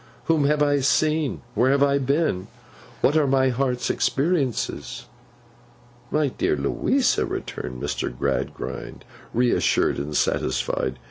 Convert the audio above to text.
Whom have I seen? Where have I been? What are my heart's experiences?' 'My dear Louisa,' returned Mr. Gradgrind, reassured and satisfied.